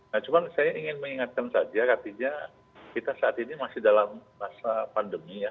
nah cuma saya ingin mengingatkan saja artinya kita saat ini masih dalam masa pandemi ya